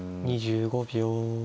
２５秒。